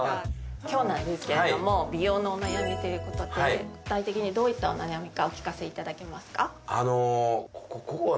今日なんですけれども美容のお悩みということで具体的にどういったお悩みかお聞かせいただけますか？